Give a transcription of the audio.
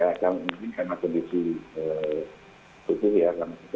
yang penting karena kondisi kutubi yang kita segera itu untuk aktivitasnya